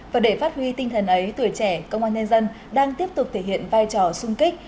và để phát huy tinh thần ấy tuổi trẻ công an nhân dân đang tiếp tục thể hiện vai trò sung kích